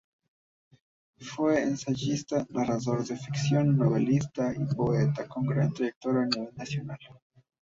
Fue ensayista, narrador de ficción, novelista y poeta con gran trayectoria a nivel nacional.